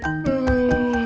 tunggu bentar ya kakak